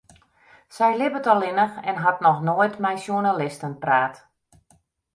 Sy libbet allinnich en hat noch noait mei sjoernalisten praat.